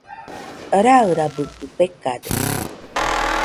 Rairabɨkɨ fekade.